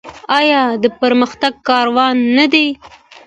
آیا د پرمختګ کاروان نه دی؟